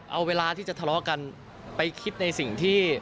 เอาเวลาที่จะทะเลาะกันไปคิดในสิ่งที่